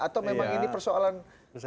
atau memang ini persoalan teknis saja